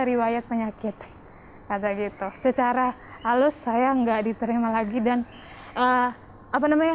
riwayat penyakit kata gitu secara halus saya enggak diterima lagi dan apa namanya